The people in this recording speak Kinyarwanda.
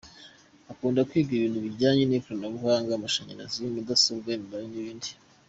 Akunda kwiga ibintu bijyanye n’ikoranabuhanga , amashanyarazi, mudasobwa, imibare n’ibindi.